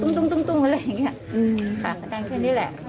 ดังตุ้งตุ้งตุ้งตุ้งอะไรอย่างเงี้ยค่ะก็ดังแค่นี้แหละ